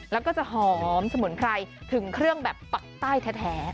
แล้วก็จะหอมสมุนไพรถึงเครื่องแบบปักใต้แท้